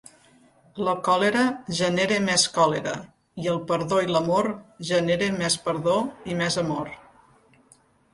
La còlera genera més còlera i el perdó i l'amor genera més perdó i més amor.